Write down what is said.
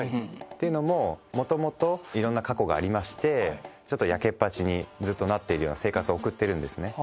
ていうのももともといろんな過去がありましてちょっとやけっぱちにずっとなっているような生活を送ってるんですね。